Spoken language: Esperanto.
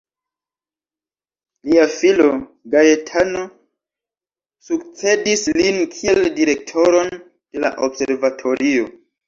Lia filo, Gaetano, sukcedis lin kiel direktoron de la observatorio.